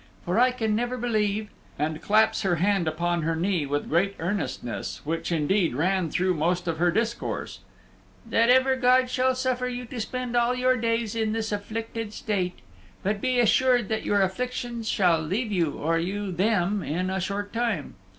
For I can never believe" (and claps her hand upon her knee with great earnestness, which, indeed, ran through most of her discourse) "that ever God will suffer you to spend all your days in this afflicted state. But be assured that your afflictions shall leave you, or you them, in a short time."